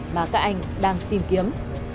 mà các anh đang tìm kiếm